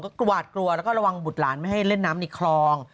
ก็หวาดกลัวแล้วก็ระวังบุตรหลานไม่ให้เล่นน้ำในคลอง